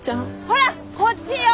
ほらこっちよ！